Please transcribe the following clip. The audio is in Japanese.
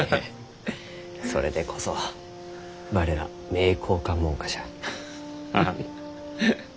それでこそ我ら名教館門下じゃ。